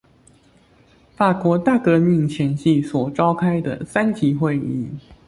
法國大革命前夕所召開的三級會議